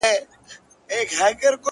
• ,کور ته د صنم ځو تصویرونو ته به څه وایو,